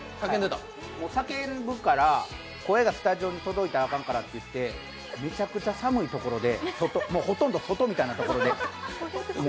もう叫ぶから声がスタジオに届いたらあかんということでめちゃくちゃ寒いところでほとんど外みたいなところで。